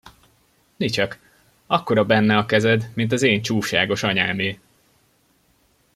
Nicsak, akkora benne a kezed, mint az én csúfságos anyámé!